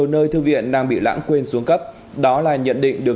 đối với thành phố